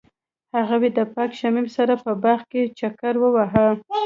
هغوی د پاک شمیم سره په باغ کې چکر وواهه.